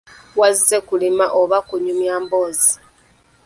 Wazze kulima oba kunyumya emboozi?